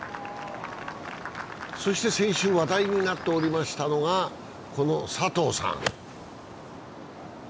そして先週話題になっておりましたのが佐藤さん。